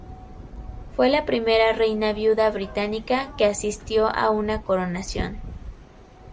Fue la primera reina viuda británica que asistió a una coronación.